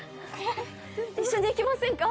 一緒に行きませんか？